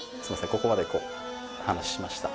ここまでこう話しました。